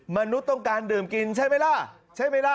มนุษย์ต้องการดื่มกินใช่ไหมล่ะ